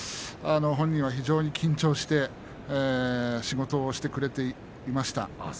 本人は非常に緊張して仕事をしてくれていました。